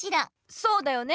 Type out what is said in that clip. そうだよね。